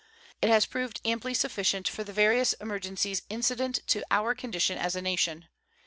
It has proved amply sufficient for the various emergencies incident to our condition as a nation.